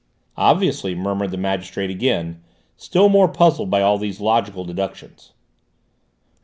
"Obviously," murmured the magistrate again, still more puzzled by all these logical deductions.